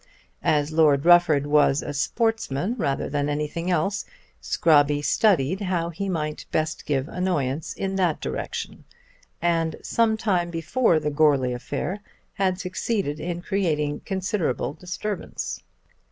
As Lord Rufford was a sportsman rather than anything else Scrobby studied how he might best give annoyance in that direction, and some time before the Goarly affair had succeeded in creating considerable disturbance.